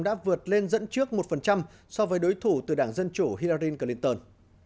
đã vượt lên dẫn trước một so với đối thủ từ đảng dân chủ hirarin clinton